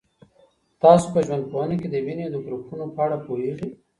تاسو په ژوندپوهنه کي د وینې د ګروپونو په اړه پوهېږئ؟